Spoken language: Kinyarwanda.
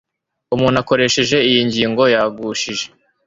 umuntu akoresheje iyi ngingo Yagushije